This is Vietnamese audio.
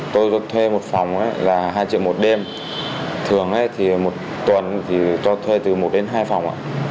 tôi thuê một phòng là hai triệu một đêm thường thì một tuần thì cho thuê từ một đến hai phòng ạ